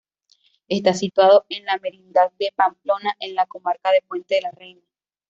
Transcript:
Está situado en la Merindad de Pamplona, en la Comarca de Puente la Reina.